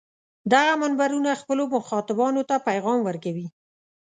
دغه منبرونه خپلو مخاطبانو ته پیغام ورکوي.